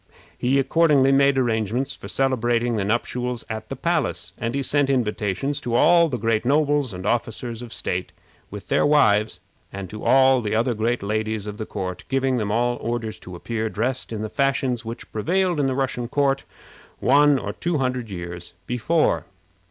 He accordingly made arrangements for celebrating the nuptials at the palace, and he sent invitations to all the great nobles and officers of state, with their wives, and to all the other great ladies of the court, giving them all orders to appear dressed in the fashions which prevailed in the Russian court one or two hundred years before.